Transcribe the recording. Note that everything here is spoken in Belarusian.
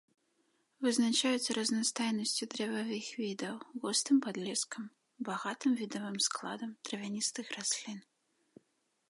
Вызначаюцца разнастайнасцю дрэвавых відаў, густым падлескам, багатым відавым складам травяністых раслін.